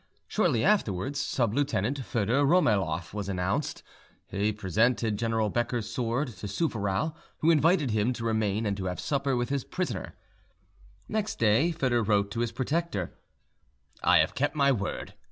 Shortly afterwards Sub Lieutenant Foedor Romayloff was announced. He presented General Becker's sword to Souvarow, who invited him to remain and to have supper with his prisoner. Next day Foedor wrote to his protector: "I have kept my word.